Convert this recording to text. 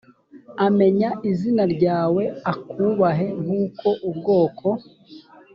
amenya izina ryawe akubahe nk uko ubwoko